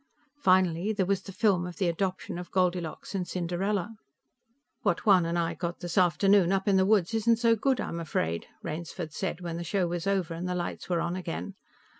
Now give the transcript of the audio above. Finally, there was the film of the adoption of Goldilocks and Cinderella. "What Juan and I got this afternoon, up in the woods, isn't so good, I'm afraid," Rainsford said when the show was over and the lights were on again.